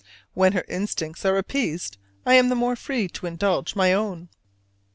When her instincts are appeased I am the more free to indulge my own.